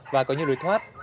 và có nhiều đối thoát